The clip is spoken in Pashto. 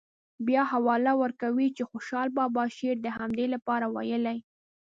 بیا حواله ورکوي چې خوشحال بابا شعر د همدې لپاره ویلی.